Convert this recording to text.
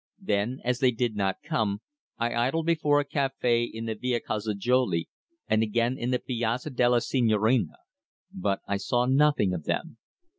Then, as they did not come, I idled before a café in the Via Calzajoli, and again in the Piazza della Signorina. But I saw nothing of them.